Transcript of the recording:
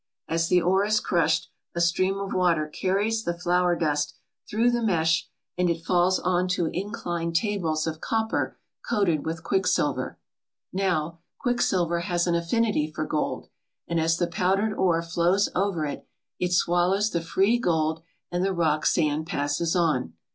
As the ore is crushed a stream of water carries the flour dust through the mesh 85 ALASKA OUR NORTHERN WONDERLAND and it falls on to inclined tables of copper coated with quicksilver. Now, quicksilver has an affinity for gold, and as the powdered ore flows over it it swallows the free gold and the rock sand passes on.